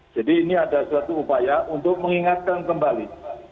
jadi ini ada suatu upaya untuk mengingatkan kembali